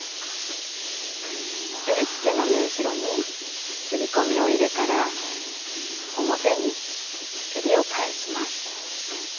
えりつけの縫い代に切り込みを入れたら表にえりを返します。